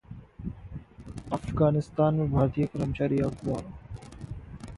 अफगानिस्तान में भारतीय कर्मचारी अगवा